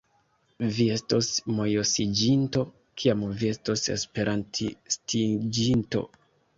Vi estos mojosiĝinto, kiam vi estos Esperantistiĝinto!